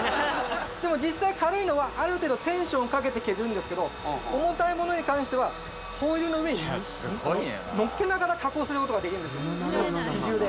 でも実際軽いのはある程度テンションをかけて削るんですけど重たいものに関してはホイールの上に乗っけながら加工することができるんですよ自重で。